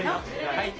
はい！